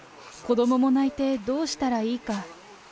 子どもも泣いて、どうしたらいいか。